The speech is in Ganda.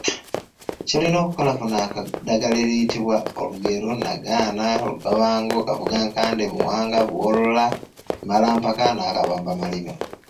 Ky’olina okukola funa eddagala eriyitibwa olugero, nnagaana, olugobango, akafugankande, muwanga, bbowolola, ekimalampaka n’akabambamaliba.